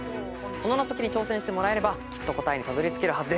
この謎解きに挑戦してもらえればきっと答えにたどり着けるはずです。